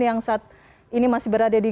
yang saat ini masih berada di